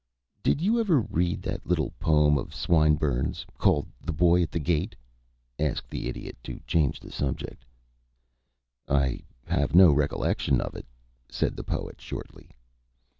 "Did you ever read that little poem of Swinburne's called 'The Boy at the Gate'?" asked the Idiot, to change the subject. "I have no recollection of it," said the Poet, shortly.